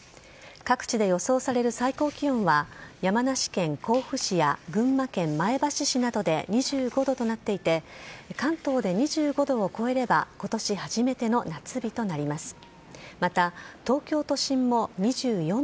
各地で予想される最高気温は山梨県甲府市や群馬県前橋市などで２５度となっていて、関東で２５度を超えれば、ことし初めての夏日となります。